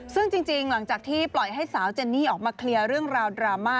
ซึ่งจริงหลังจากที่ปล่อยให้สาวเจนนี่ออกมาเคลียร์เรื่องราวดราม่า